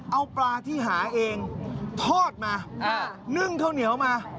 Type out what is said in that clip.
เอาปลาที่หาเองทอดมานึ่งข้าวเหนียวมา